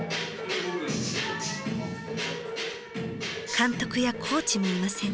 監督やコーチもいません。